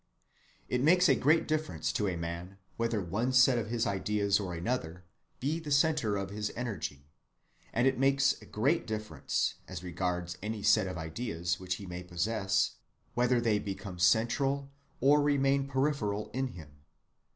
It makes a great difference to a man whether one set of his ideas, or another, be the centre of his energy; and it makes a great difference, as regards any set of ideas which he may possess, whether they become central or remain peripheral in him.